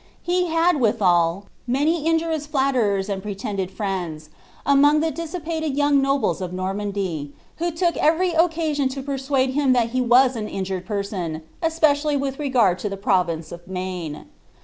He had, withal, many injurious I n n and pretended friends, among the dissipated young nobles of uiiondy, wbd took every occasiou to porsuade him that lie was un rnl person, especially with regard lo the province of Maine.